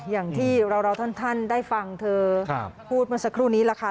อย่างที่เราท่านได้ฟังเธอพูดเมื่อสักครู่นี้แหละค่ะ